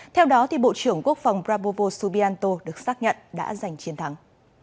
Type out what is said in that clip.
theo đó bộ trưởng quốc phòng prabovo subianto được xác nhận đã giành chiến thắng